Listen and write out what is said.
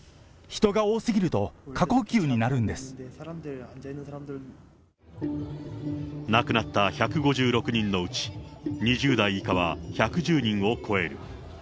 人が多すぎると、亡くなった１５６人のうち、２０代以下は１１０人を超える。